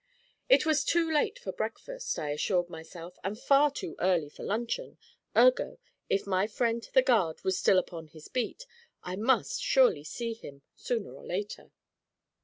It was too late for breakfast, I assured myself, and far too early for luncheon, ergo, if my friend the guard was still upon his beat, I must surely see him, sooner or later.